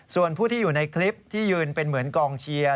ส่วนผู้ที่อยู่ในคลิปที่ยืนเป็นเหมือนกองเชียร์